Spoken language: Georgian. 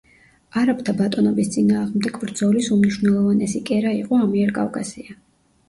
არაბთა ბატონობის წინააღმდეგ ბრძოლის უმნიშვნელოვანესი კერა იყო ამიერკავკასია.